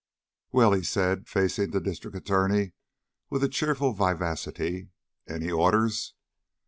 "Well," said he, facing the District Attorney with cheerful vivacity, "any orders?"